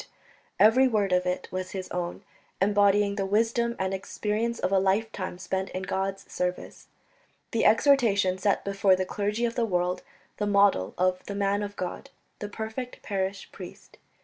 Every word of it was his own, embodying the wisdom and experience of a lifetime spent in God's service. The exhortation set before the clergy of the world the model of "the man of God" the perfect parish priest.